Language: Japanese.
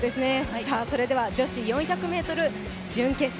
それでは女子４００ｍ準決勝